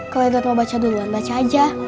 kalau itu mau baca duluan baca aja